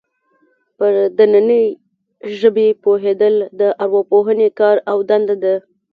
پر دنننۍ ژبې پوهېدل د ارواپوهنې کار او دنده ده